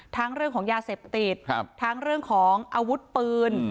เรื่องของยาเสพติดทั้งเรื่องของอาวุธปืน